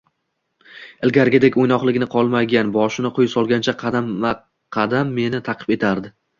Ilgarigidek o`ynoqiligi qolmagan, boshini quyi solgancha qadam-baqadam meni ta`qib etardi